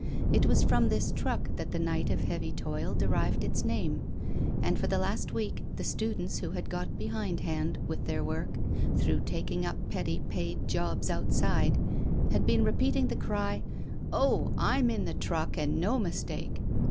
It was from this truck that the night of heavy toil derived its name: and for the last week the students who had got behindhand with their work, through taking up petty paid jobs outside, had been repeating the cry, 'Oh! I'm in the truck and no mistake.